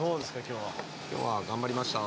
今日は頑張りました。